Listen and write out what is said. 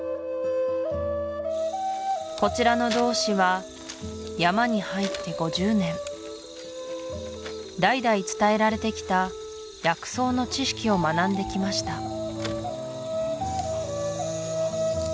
こちらの道士は山に入って５０年代々伝えられてきた薬草の知識を学んできました